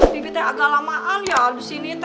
bibi teh agak lamaan ya disini